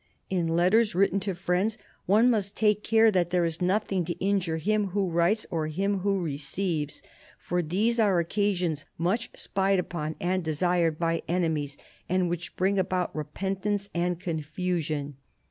" In letters written to friends one must take care that there is nothing to injure either him who writes or him who receives, for these are occasions much spied upon and desired by enemies, and which bring about repentance and confusion.